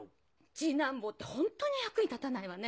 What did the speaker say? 次男坊ってホントに役に立たないわね。